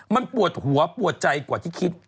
มันปวดหัวปวดใจกว่าที่คิด